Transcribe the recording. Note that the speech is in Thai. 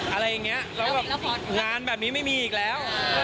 อะไรอย่างนี้แล้วแบบงานแบบนี้ไม่มีอีกแล้ว